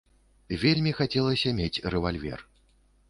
Вельмі хацелася мець рэвальвер.